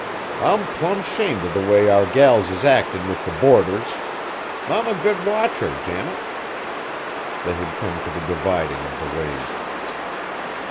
I'm plum 'shamed of the way our gals is actin' with the boarders. I'm a good watcher, Janet!" They had come to the dividing of the ways.